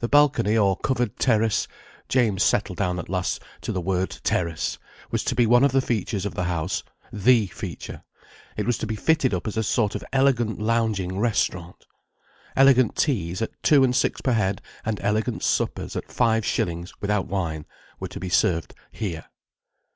The balcony or covered terrace—James settled down at last to the word terrace—was to be one of the features of the house: the feature. It was to be fitted up as a sort of elegant lounging restaurant. Elegant teas, at two and six per head, and elegant suppers, at five shillings without wine, were to be served here.